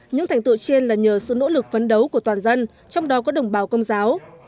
những thành tựu trên là nhờ sự nỗ lực phấn đấu của toàn dân trong đó có đồng bào công giáo